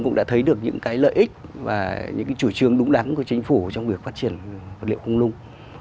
cũng đã thấy được những cái lợi ích và những cái chủ trương đúng đắn của chính phủ trong việc phát triển vật liệu không nung